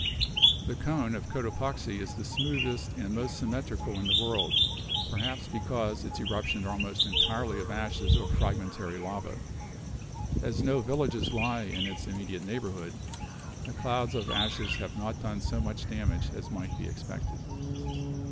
The cone of Cotopaxi is the smoothest and most symmetrical in the world; perhaps because its eruptions are almost entirely of ashes or fragmentary lava. As no villages lie in its immediate neighborhood, the clouds of ashes have not done so much damage as might be expected.